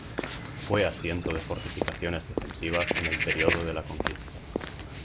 Fue asiento de fortificaciones defensivas en el periodo de la conquista.